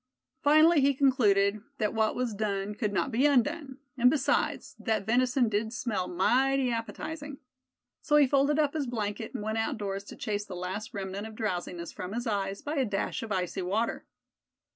Finally he concluded that what was done could not be undone; and besides, that venison did smell mighty appetizing. So he folded up his blanket, and went outdoors to chase the last remnant of drowsiness from his eyes by a dash of icy water.